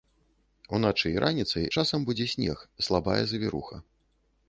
Уначы і раніцай часам будзе снег, слабая завіруха.